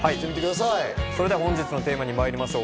それでは本日のテーマに参りましょう。